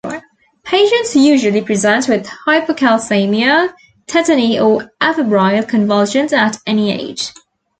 Patients usually present with hypocalcaemia, tetany, or afebrile convulsions at any age.